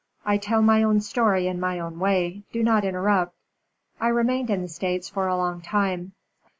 "I tell my own story in my own way. Do not interrupt. I remained in the States for a long time.